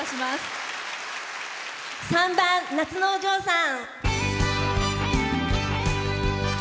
３番「夏のお嬢さん」。